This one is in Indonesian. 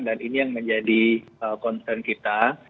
dan ini yang menjadi concern kita